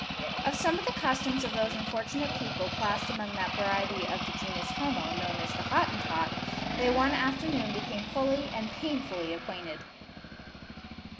Of some of the customs of those unfortunate people classed amongst that variety of the genus homo known as the "Hottentot," they one afternoon became fully and painfully acquainted.